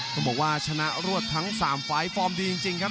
ต้องบอกว่าชนะรวดทั้ง๓ไฟล์ฟอร์มดีจริงครับ